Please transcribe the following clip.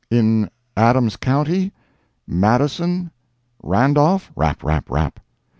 "In Adams county?—Madison?—Randolph?—" "Rap, rap, rap."